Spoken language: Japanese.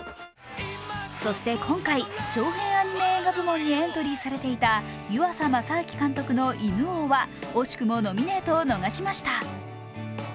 そして今回長編アニメ映画部門にエントリーされていた湯浅政明監督の「犬王」は惜しくもノミネートを逃しました。